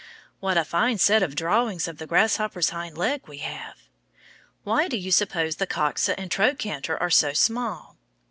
What a fine set of drawings of the grasshopper's hind leg we have! Why do you suppose the coxa and trochanter are so small?